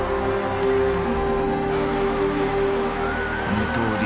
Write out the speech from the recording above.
二刀流